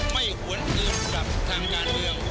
ไม่หวนอื่นกับทางด้านเรียง